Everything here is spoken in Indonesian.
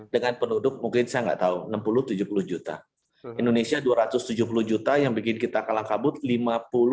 dengan penduduk mungkin saya nggak tahu enam puluh tujuh puluh juta indonesia dua ratus tujuh puluh juta yang bikin kita kalah kabut lima puluh